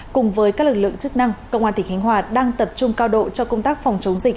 cùng với các lực lượng chức năng công an tỉnh khánh hòa đang tập trung cao độ cho công tác phòng chống dịch